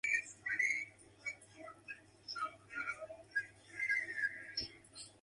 Theoretically, therefore, a foreign-born Japanese can become the Prime Minister of Japan.